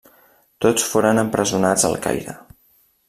Tots foren empresonats al Caire.